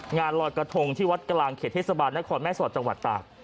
งานลอยกระทงที่วัดกะลางเขตเทศบาลนักขอบแม่สวัสดิ์จังหวัดต่าง